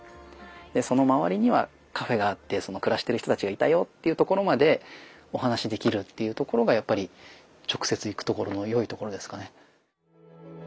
でその周りにはカフェがあって暮らしてる人たちがいたよというところまでお話しできるっていうところがやっぱり直接行くところのよいところですかね。